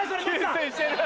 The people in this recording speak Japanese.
給水してる！